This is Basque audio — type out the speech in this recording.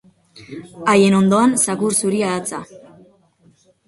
Haien ondoan zakur zuria datza.